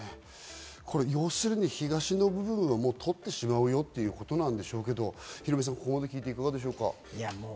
要するに東の部分は取ってしまうよということなんでしょうけど、ヒロミさん、いかがですか？